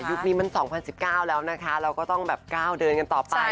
นี้มัน๒๐๑๙แล้วนะคะเราก็ต้องแบบก้าวเดินกันต่อไป